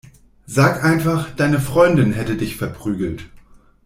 Sag einfach, deine Freundin hätte dich verprügelt.